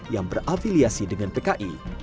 yang berafiliasi dengan pki